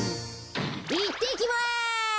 いってきます。